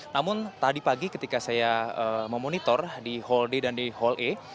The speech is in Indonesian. namun tadi pagi ketika saya memonitor di hall d dan di hall e